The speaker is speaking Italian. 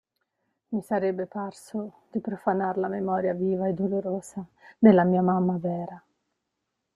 Mi sarebbe parso di profanar la memoria viva e dolorosa della mia mamma vera.